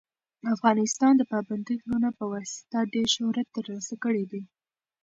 افغانستان د پابندي غرونو په واسطه ډېر شهرت ترلاسه کړی دی.